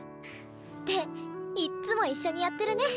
っていっつも一緒にやってるね。